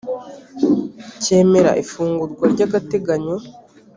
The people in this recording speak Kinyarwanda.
cyemera ifungurwa ry agateganyo